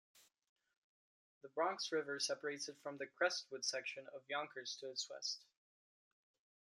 The Bronx River separates it from the Crestwood section of Yonkers to its west.